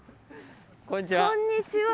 こんにちは。